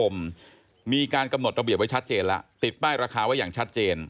มีการกำหนดระเบียบไว้ชัดเจนแล้วติดป้ายราคาไว้อย่างชัดเจน